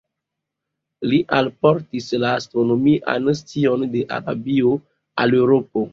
Li alportis la astronomian scion de Arabio al Eŭropo.